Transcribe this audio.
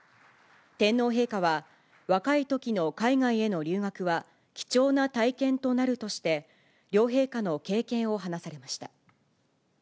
天皇陛下は、若いときの海外への留学は貴重な体験となるとして、両陛下の経験を話されました。